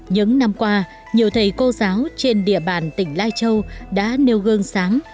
những năm qua nhiều thầy cô giáo trên địa bàn tỉnh lai châu đã nêu gương sáng